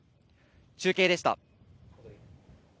中継でした。